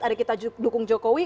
ada kita dukung jokowi